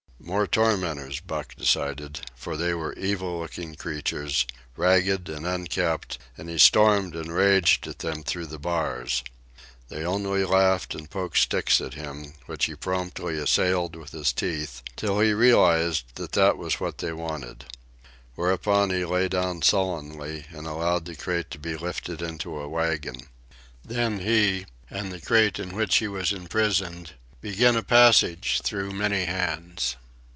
More tormentors, Buck decided, for they were evil looking creatures, ragged and unkempt; and he stormed and raged at them through the bars. They only laughed and poked sticks at him, which he promptly assailed with his teeth till he realized that that was what they wanted. Whereupon he lay down sullenly and allowed the crate to be lifted into a wagon. Then he, and the crate in which he was imprisoned, began a passage through many hands.